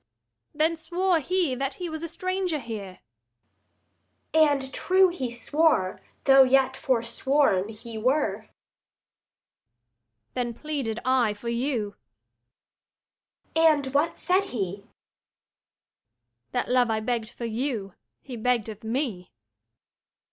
Luc. Then swore he that he was a stranger here. Adr. And true he swore, though yet forsworn he were. 10 Luc. Then pleaded I for you. Adr. And what said he? Luc. That love I begg'd for you he begg'd of me.